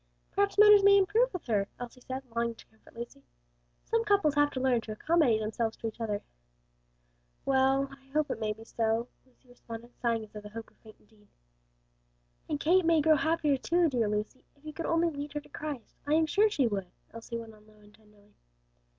"Perhaps matters may improve with her," Elsie said, longing to comfort Lucy. "Some couples have to learn to accommodate themselves to each other." "Well, I hope it may be so," Lucy responded, sighing as though the hope were faint indeed. "And Kate may grow happier, too; dear Lucy, if you could only lead her to Christ, I am sure she would," Elsie went on low and tenderly.